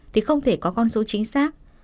thì không thể có con số chính xác